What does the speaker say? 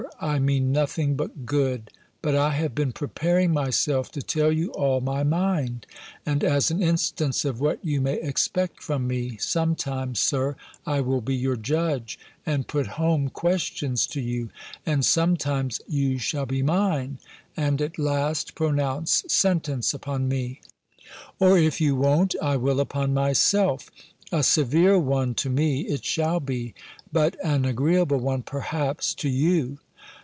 I mean nothing but good! But I have been preparing myself to tell you all my mind. And as an instance of what you may expect from me, sometimes, Sir, I will be your judge, and put home questions to you; and sometimes you shall be mine, and at last pronounce sentence upon me; or, if you won't, I will upon myself; a severe one to me, it shall be, but an agreeable one, perhaps, to you!